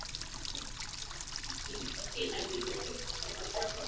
mama mjamzito anatakiwa kulala kwenye chandulua cha dawa